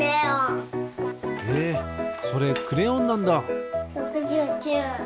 えっそれクレヨンなんだ！